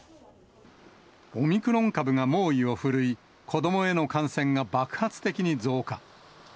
オミクロン株が猛威を振るい、子どもへの感染が爆発的に増加。